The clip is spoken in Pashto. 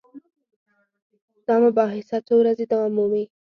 دا مباحثه څو ورځې دوام مومي.